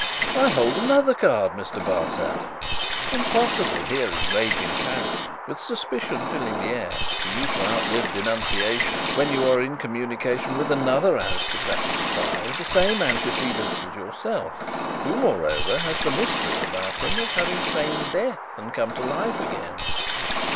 "I hold another card, Mr. Barsad. Impossible, here in raging Paris, with Suspicion filling the air, for you to outlive denunciation, when you are in communication with another aristocratic spy of the same antecedents as yourself, who, moreover, has the mystery about him of having feigned death and come to life again!